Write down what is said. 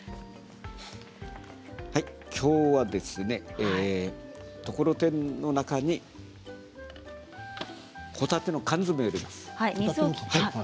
きょうはところてんの中にほたての缶詰を入れます。